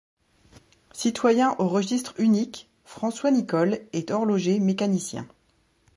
Citoyen au Registre unique, François Nicole est horloger mécanicien.